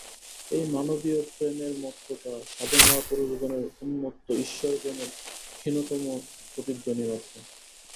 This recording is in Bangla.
এই মানবীয় প্রেমের মত্ততা সাধুমহাপুরুষগণের উন্মত্ত ঈশ্বরপ্রেমের ক্ষীণতম প্রতিধ্বনি মাত্র।